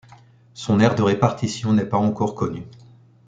Son aire de répartition n'est pas encore connue.